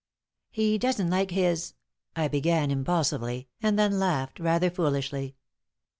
"He doesn't like his " I began, impulsively, and then laughed, rather foolishly.